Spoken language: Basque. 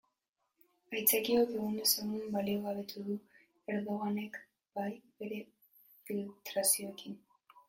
Aitzakiok egunez egun baliogabetu ditu Erdoganek bere filtrazioekin.